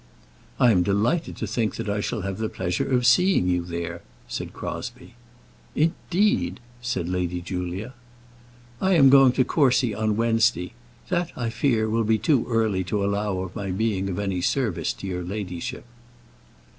"I am delighted to think that I shall have the pleasure of seeing you there," said Crosbie. "Indeed!" said Lady Julia. "I am going to Courcy on Wednesday. That, I fear, will be too early to allow of my being of any service to your ladyship."